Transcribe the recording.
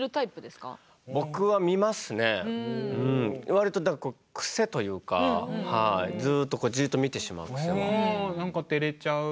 わりと癖というかはいずっとじっと見てしまう癖は。